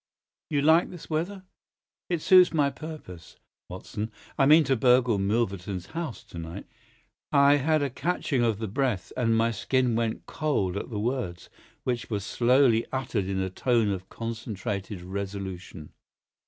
"You like this weather?" "It suits my purpose. Watson, I mean to burgle Milverton's house to night." I had a catching of the breath, and my skin went cold at the words, which were slowly uttered in a tone of concentrated resolution.